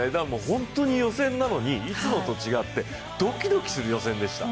本当に予選なのにいつもと違ってドキドキする予選でした。